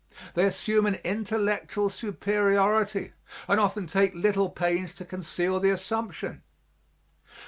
They assume an intellectual superiority and often take little pains to conceal the assumption.